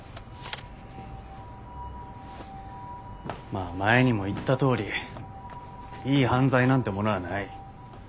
まあ前にも言ったとおりいい犯罪なんてものはない。